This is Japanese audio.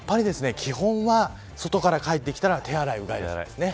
基本は外から帰ってきたら手洗い、うがいですね。